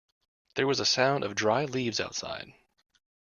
There was a sound of dry leaves outside.